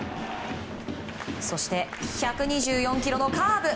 そして１２４キロのカーブ。